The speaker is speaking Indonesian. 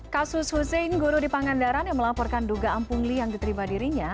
kasus husein guru di pangandaran yang melaporkan dugaan pungli yang diterima dirinya